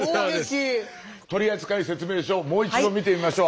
取扱説明書をもう一度見てみましょう。